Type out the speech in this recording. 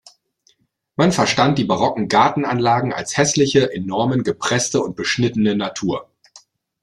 Man verstand die barocken Gartenanlagen als hässliche, in Normen gepresste und beschnittene Natur.